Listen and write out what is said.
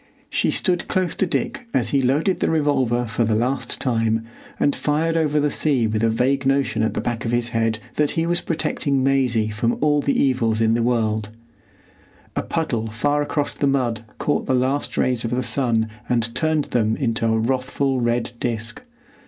She stood close to Dick as he loaded the revolver for the last time and fired over the sea with a vague notion at the back of his head that he was protecting Maisie from all the evils in the world. A puddle far across the mud caught the last rays of the sun and turned into a wrathful red disc.